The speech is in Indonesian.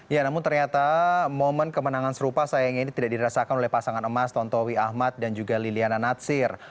ya namun ternyata momen kemenangan serupa sayangnya ini tidak dirasakan oleh pasangan emas tontowi ahmad dan juga liliana natsir